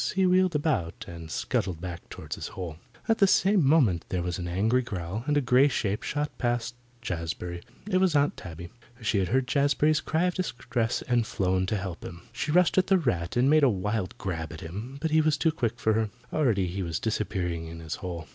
He wheeled about and scuttled back toward his hole. At the same moment there was an angry growl, and a grey shape shot past Jazbury. It was Aunt Tabby. She had heard Jazbury's cry of distress and had flown to help him. She rushed at the rat and made a wild grab at him. But he was too quick for her. Already he was disappearing in his hole.